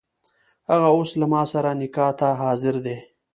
هغه اوس له ماسره نکاح ته حاضره ده.